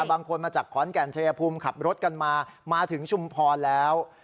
บางคนมาจากค้อนแกร่งชาเยพุมขับรถมามาถึงชมพรแล้ว